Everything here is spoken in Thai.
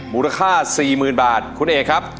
มูลค่า๔๐๐๐บาทคุณเอกครับ